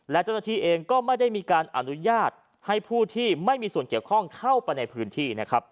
และเจ้าหน้าที่เองก็ไม่ได้มีการอนุญาตให้ผู้ที่ไม่มีส่วนเกี่ยวข้องเข้าไปในพื้นที่นะครับ